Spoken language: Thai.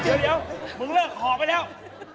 เดี๋ยวมึงเลิกห่อไปแล้ว